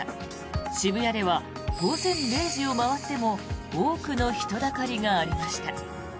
渋谷では午前０時を回っても多くの人だかりがありました。